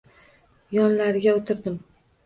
Yonlariga o‘tirdim.